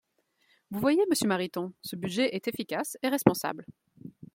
Vous voyez, monsieur Mariton, ce budget est efficace et responsable.